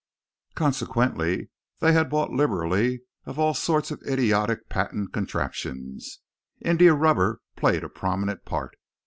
Consequently they had bought liberally of all sorts of idiotic patent contraptions. India rubber played a prominent part.